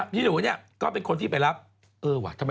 พี่หนูก็เป็นคนที่ไปรับ